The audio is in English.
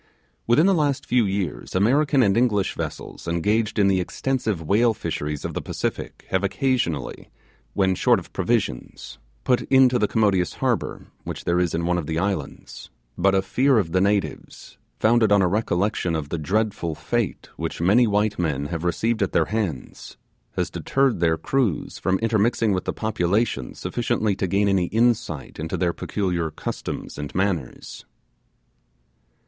Within the last few, years American and English vessels engaged in the extensive whale fisheries of the Pacific have occasionally, when short of provisions, put into the commodious harbour which there is in one of the islands; but a fear of the natives, founded on the recollection of the dreadful fate which many white men have received at their hands, has deterred their crews from intermixing with the population sufficiently to gain any insight into their peculiar customs and manners.